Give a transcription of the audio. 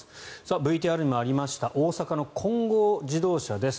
ＶＴＲにもありました大阪の金剛自動車です。